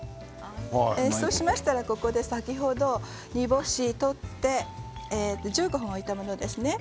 そうしましたら、ここで先ほど煮干しを取って１５分置いたものですね。